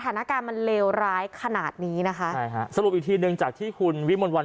สถานการณ์มันเลวร้ายขนาดนี้นะคะใช่ฮะสรุปอีกทีหนึ่งจากที่คุณวิมลวัน